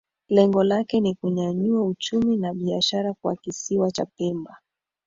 Lengo lake ni kunyanyua uchumi na biashara kwa kisiwa cha Pemba